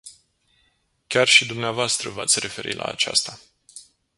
Chiar și dvs. v-ați referit la aceasta.